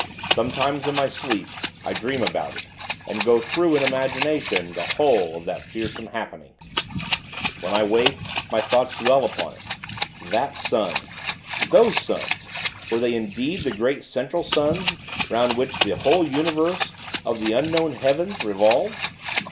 Sometimes, in my sleep, I dream about it, and go through, in imagination, the whole of that fearsome happening. When I wake, my thoughts dwell upon it. That Sun those Suns, were they indeed the great Central Suns, 'round which the whole universe, of the unknown heavens, revolves?